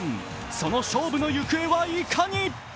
その勝負の行方はいかに。